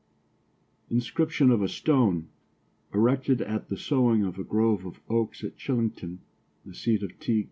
INSCRIPTION FOR A STONE ERECTED AT THE SOWING OF A GROVE OF OAKS AT CHILLINGTON, THE SEAT OF T.